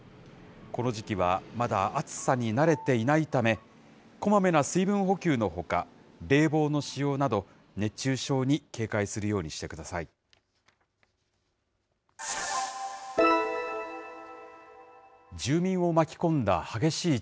この時期はまだ暑さに慣れていないため、こまめな水分補給のほか、冷房の使用など、熱中症に警戒するようにしてください。